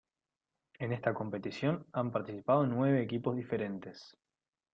En esta competición han participado nueve equipos diferentes.